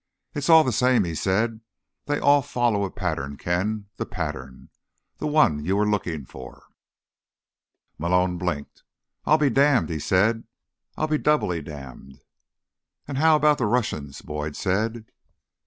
"It's all the same," he said. "They all follow a pattern, Ken, the pattern. The one you were looking for." Malone blinked. "I'll be damned," he said. "I'll be doubly damned." "And how about the Russians?" Boyd said.